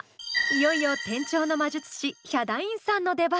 いよいよ転調の魔術師ヒャダインさんの出番。